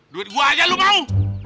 duit gua aja lo mau